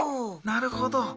なるほど。